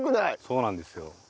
そうなんですよ。